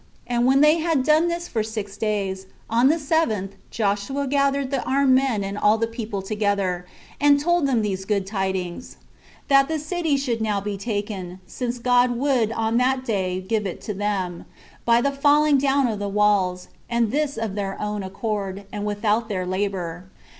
And when they had done this for six days, on the seventh Joshua gathered the armed men and all the people together, and told them these good tidings, That the city should now be taken, since God would on that day give it them, by the falling down of the walls, and this of their own accord, and without their labor.